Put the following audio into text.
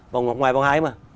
vòng ngoài vòng hái mà